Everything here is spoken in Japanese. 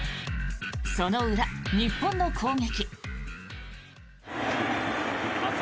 その裏、日本の攻撃。